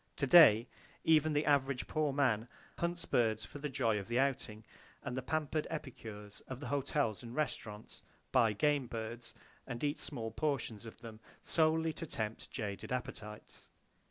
To day, even the average poor man hunts birds for the joy of the outing, and the pampered epicures of the hotels and restaurants buy game birds, and eat small portions of them, solely to tempt jaded appetites.